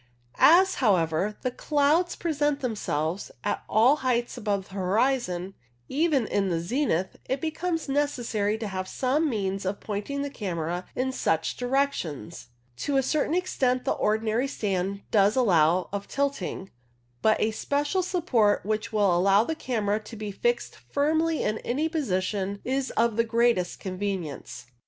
As, however, the clouds present themselves at all heights above the horizon, even in the zenith, it becomes necessary to have some means of pointing the camera in such direc tions. To a certain extent the ordinary stand does allow of tilting, but a special support which will allow the camera to be fixed firmly in any position is of the greatest convenience.